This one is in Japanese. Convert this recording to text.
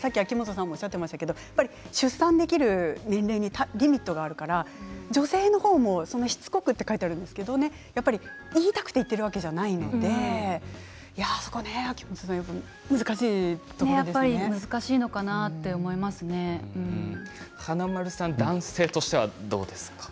さっき秋元さんもおっしゃってましたけど出産できる年齢にリミットがあるから女性の方も、しつこくと書いてあるんですけどやっぱり言いたくて言っているわけではないのでやっぱり難しいのかなと華丸さん、男性としてはどうですか？